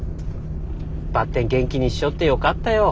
ばってん元気にしちょってよかったよ。